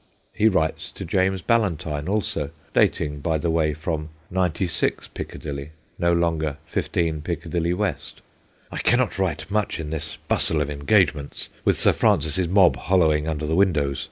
He writes to James Ballantyne, also dating, by the way, from '96 Piccadilly,' no longer ' 15 Piccadilly West' :' I cannot write much in this bustle of engagements, with Sir Francis's mob hollowing under the windows.